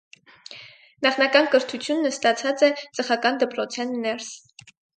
Նախնական կրթութիւնն ստացած է ծխական դպրոցէն ներս։